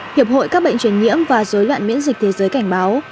hiệp hội các bệnh truyền nhiễm và dối loạn miễn dịch thế giới cảnh báo